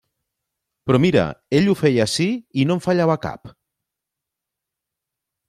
Però, mira, ell ho feia ací i no en fallava cap.